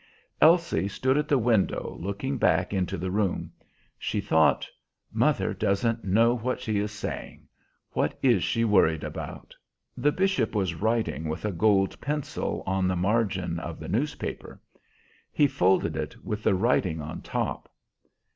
Elsie stood at the window looking back into the room. She thought, "Mother doesn't know what she is saying. What is she worried about?" The bishop was writing with a gold pencil on the margin of the newspaper. He folded it with the writing on top.